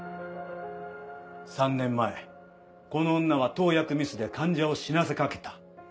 ３年前この女は投薬ミスで患者を死なせかけた。